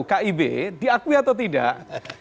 kib diakui atau tidak